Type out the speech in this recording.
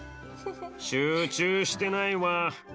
集中してないわ